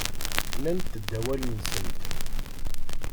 Nnant-d awal-nsent.